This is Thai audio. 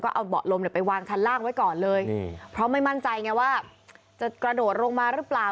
เพราะไม่มั่นใจไงว่าจะกระโดดลงมาหรือเปล่า